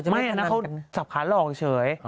ไม่แช่งผมแต่ซับขานหลอกเฉย